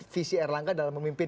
visi erlangga dalam memimpin